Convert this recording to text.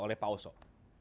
oleh pak pausok